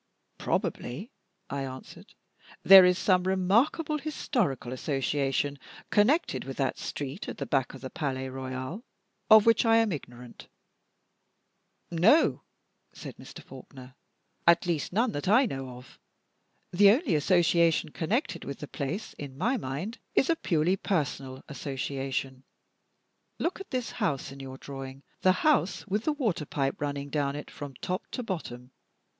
"Probably," I answered, "there is some remarkable historical association connected with that street at the back of the Palais Royal, of which I am ignorant." "No," said Mr. Faulkner; "at least none that I know of. The only association connected with the place in my mind is a purely personal association. Look at this house in your drawing the house with the water pipe running down it from top to bottom.